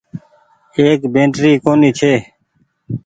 ايڪ بيٽري ڪونيٚ ڇي۔